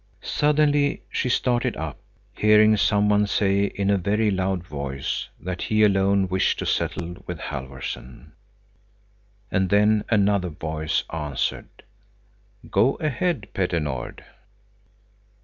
Suddenly she started up, hearing some one say in a very loud voice that he alone wished to settle with Halvorson. And then another voice answered: "Go ahead, Petter Nord!"